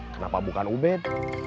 kenapa bukan ubed